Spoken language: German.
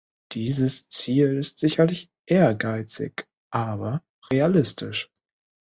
Dieses Ziel ist sicherlich ehrgeizig, aber realistisch.